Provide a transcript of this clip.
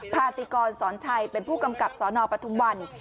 พาติกรสอนชัยเป็นผู้กำกับสนปทุมวัน